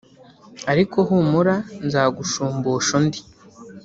ariko humura nzagushumbusha undi